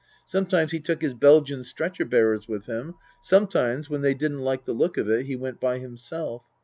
Sometimes he took his Belgian stretcher bearers with him, sometimes, when they didn't like the look of it, he went by himself.